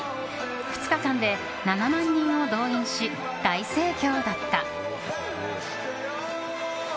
２日間で７万人を動員し大盛況だった。